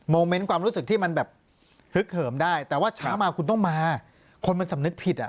โดยพฤติกรรมคนนะพี่อุ๋ย